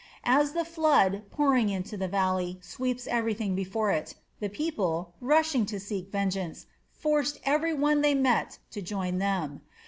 As the flood, pouring into the valley, sweeps everything before it, the people, rushing to seek vengeance, forced every one they met to join them.